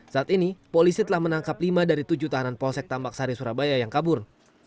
saat ini polisi telah menangkap lima dari tujuh tahanan polsek tambak sari surabaya yang kabur